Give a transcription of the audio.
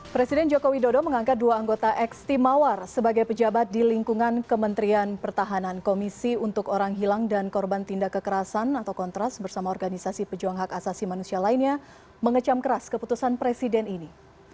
presiden jokowi dodo mengangkat dua anggota eksti mawar sebagai pejabat di lingkungan kementerian pertahanan komisi untuk orang hilang dan korban tindak kekerasan atau kontras bersama organisasi pejuang hak asasi manusia lainnya mengecam keras keputusan presiden ini